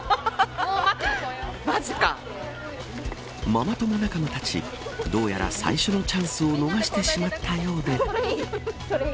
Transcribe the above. ママ友仲間たちどうやら最初のチャンスを逃してしまったようで。